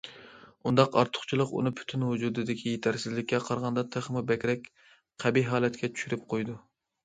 ئۇنداق ئارتۇقچىلىق ئۇنى پۈتۈن ۋۇجۇدىدىكى يېتەرسىزلىككە قارىغاندا تېخىمۇ بەكرەك قەبىھ ھالەتكە چۈشۈرۈپ قويىدۇ.